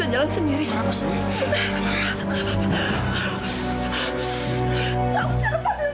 mas apa tidak cukup